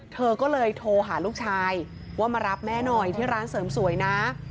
เธอก็เลยโทรหาลูกชายว่ามารับแม่หน่อยที่ร้านเสริมสวยนะ